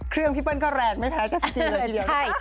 เครื่องพี่เปิ้ลก็แรงไม่แพ้กันสักทีเลยทีเดียว